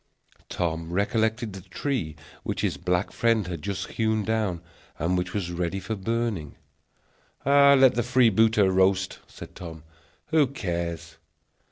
Tom recollected the tree which his black friend had just hewn down, and which was ready for burning. "Let the freebooter roast," said Tom; "who cares!"